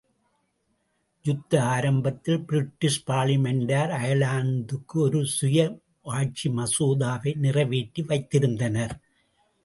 யுத்த ஆரம்பத்தில் பிரிட்டிஷ் பார்லிமென்டார் அயர்லாந்துக்கு ஒரு சுய ஆட்சி மசோதாவை நிறைவேற்றி வைத்திருந்தனர்.